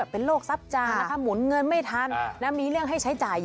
เป็นโรคอะไร